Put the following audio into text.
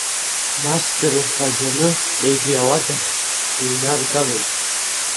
Нас дырҳәазаны егьи ауадахь дыҩнаргалоит.